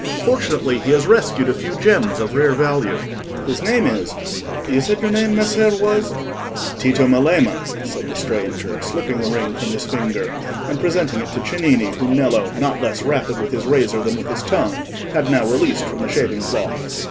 Fortunately, he has rescued a few gems of rare value. His name is—you said your name, Messer, was—?" "Tito Melema," said the stranger, slipping the ring from his finger, and presenting it to Cennini, whom Nello, not less rapid with his razor than with his tongue, had now released from the shaving cloth.